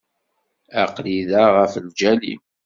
Aql-i da ɣef lǧal-im.